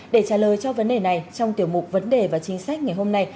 để trả lời cho vấn đề này trong tiểu mục vấn đề và chính sách ngày hôm nay